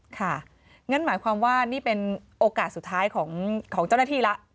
งั้นหมายความว่านี่เป็นโอกาสสุดท้ายของเจ้าหน้าที่แล้ว